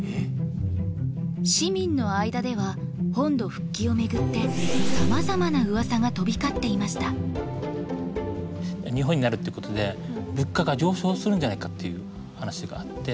市民の間では本土復帰を巡ってさまざまな噂が飛び交っていました日本になるってことで物価が上昇するんじゃないかっていう話があって。